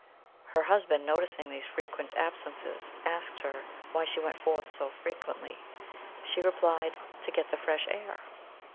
Her husband, noticing these frequent absences, asked her why she went forth so frequently. She replied, "To get the fresh air."